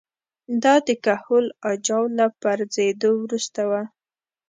دا د کهول اجاو له پرځېدو وروسته وه